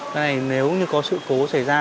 cái này nếu như có sự cố xảy ra